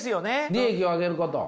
利益を上げる。